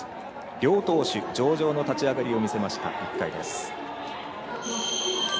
両投手、上々の立ち上がりを見せた１回です。